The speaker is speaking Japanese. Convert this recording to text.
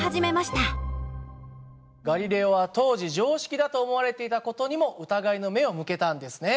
ガリレオは当時常識だと思われていた事にも疑いの目を向けたんですね。